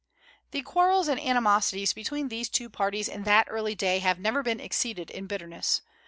The quarrels and animosities between these two parties in that early day have never been exceeded in bitterness.